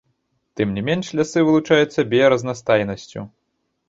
Тым не менш, лясы вылучаюцца біяразнастайнасцю.